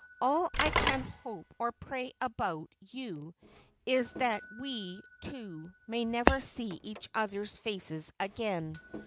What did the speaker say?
All I can hope or pray about you is that we two may never see each other's face again.